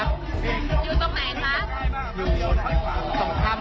คือร้านของบอสนิทเชียงใหม่ครับ